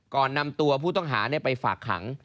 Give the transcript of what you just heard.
ก่อนนำตัวผู้ต้องหาไปฝากขัง